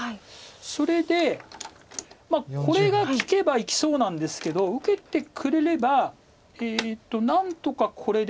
それでこれが利けば生きそうなんですけど受けてくれれば何とかこれで。